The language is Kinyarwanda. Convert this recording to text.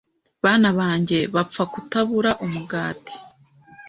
Bana banjye bapfa kutabura umugati